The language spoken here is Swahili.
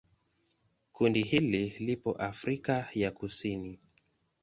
Kundi hili lipo Afrika ya Kusini.